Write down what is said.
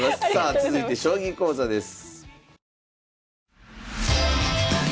続いて将棋講座です。